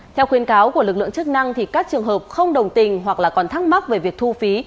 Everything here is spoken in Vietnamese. theo khuyến cáo của lực lượng chức năng các trường hợp không đồng tình hoặc thắc mắc về việc thu phí